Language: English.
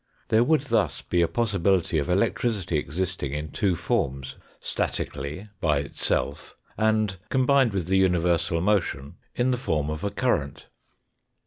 There would thus be a possibility of electricity existing in two forms, statically, by itself, and, combined with the universal motion, in the form of a current.